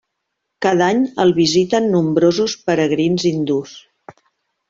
Cada any el visiten nombrosos peregrins hindús.